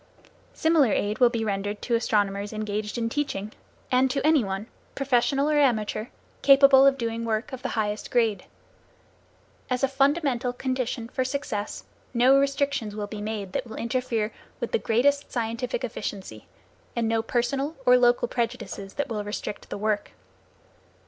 Similar aid will be rendered to astronomers engaged in teaching, and to any one, professional or amateur, capable of doing work of the highest grade. As a fundamental condition for success, no restrictions will be made that will interfere with the greatest scientific efficiency, and no personal or local prejudices that will restrict the work.